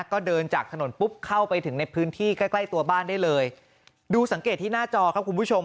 ก็เดินจากถนนปุ๊บเข้าไปถึงในพื้นที่ใกล้ใกล้ตัวบ้านได้เลยดูสังเกตที่หน้าจอครับคุณผู้ชม